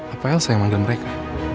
apa elsa yang manggil mereka